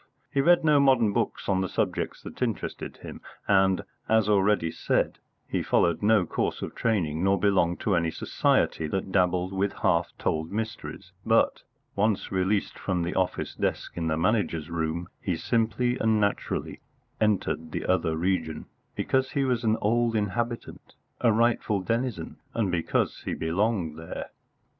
He read no modern books on the subjects that interested him, and, as already said, he followed no course of training, nor belonged to any society that dabbled with half told mysteries; but, once released from the office desk in the Manager's room, he simply and naturally entered the other region, because he was an old inhabitant, a rightful denizen, and because he belonged there.